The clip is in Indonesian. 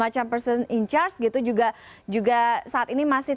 jika itu juga juga saat ini masih